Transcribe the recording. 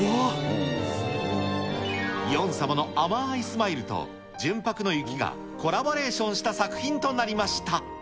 ヨン様の甘ーいスマイルと、純白の雪がコラボレーションした作品となりました。